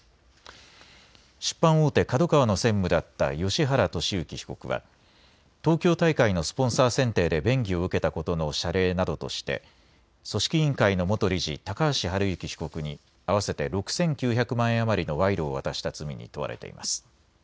出版大手ＫＡＤＯＫＡＷＡの専務だった芳原世幸被告は東京大会のスポンサー選定で便宜を受けたことの謝礼などとして組織委員会の元理事、高橋治之被告に合わせて６９００万円余りの賄賂を渡した罪に問われています。